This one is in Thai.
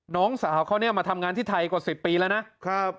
น้องสาวเขาเนี่ยมาทำงานที่ไทยกว่า๑๐ปีแล้วนะครับ